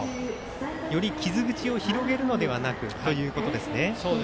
より傷口を広げるのではなくということです。